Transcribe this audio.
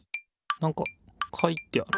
なんか書いてある。